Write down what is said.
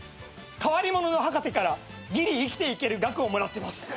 変わり者の博士からギリ生きていける額をもらってます。